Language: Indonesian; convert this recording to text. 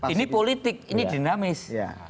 ini politik ini dinamis